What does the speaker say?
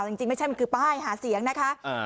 จริงไม่ใช่มันคือป้ายหาเสียงนะคะ